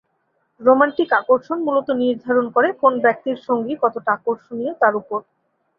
Romantic আকর্ষণ মূলত নির্ধারণ করে কোন ব্যক্তির সঙ্গী কতটা আকর্ষণীয় তার উপর।